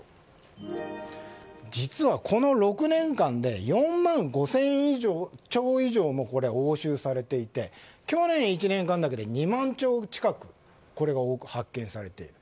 実はこの６年間で４万５０００丁以上も押収されていて去年１年間だけで２万丁近く発見されている。